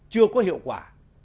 chưa có hiệu quả